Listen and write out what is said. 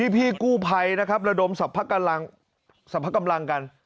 พี่กู้ไพรระดมศพกำลังกัน